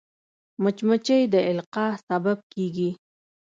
مچمچۍ د القاح سبب کېږي